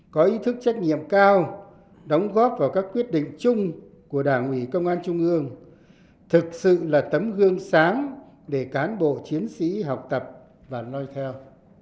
có ý thức trách nhiệm cao đóng góp vào các quyết định chung của đảng ủy công an trung ương thực sự là tấm gương sáng để cán bộ chiến sĩ học tập và nói theo